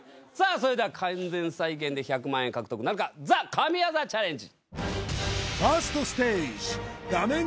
それでは完全再現で１００万円獲得なるかＴＨＥ神業チャレンジ